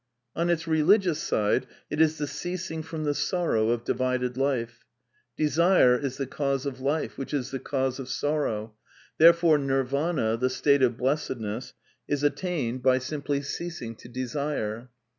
On its religious side it is the ceasing from the sorrow of divided life. De sire is the cause of Life, which is the cause of sorrow ; there fore Nirvana, the state of blessedness, is attained by simply 880 A DEFENCE OF IDEALISM ceasing to desire.